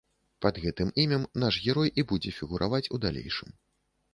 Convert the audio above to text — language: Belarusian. Пад гэтым імем наш герой і будзе фігураваць у далейшым.